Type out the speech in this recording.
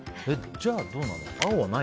じゃあ、どうなの？